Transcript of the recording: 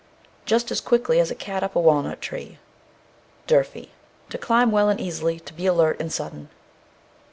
Just as quick as a cat up a walnut tree. D'URFEY. To climb well and easily. To be alert and sudden.